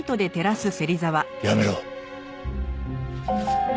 やめろ。